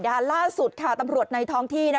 ล่าสุดค่ะตำรวจในท้องที่